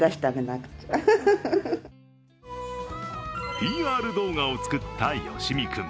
ＰＲ動画を作った吉見君。